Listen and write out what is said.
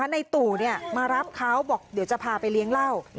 ในตู่มารับเขาบอกเดี๋ยวจะพาไปเลี้ยงเหล้า